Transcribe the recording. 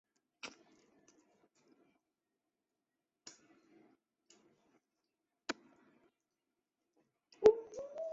米兰足球俱乐部是一家位于义大利北部伦巴第大区米兰市的足球俱乐部。